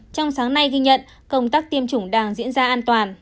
trong sáng nay ghi nhận công tác tiêm chủng đang diễn ra an toàn